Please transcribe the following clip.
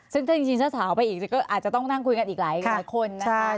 จริงถ้าถาวไปอีกก็อาจจะต้องนั่งคุยกันอีกหลายคน